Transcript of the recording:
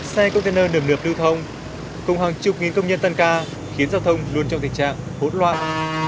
xe container được lưu thông cùng hàng chục nghìn công nhân tân ca khiến giao thông luôn trong tình trạng hỗn loạn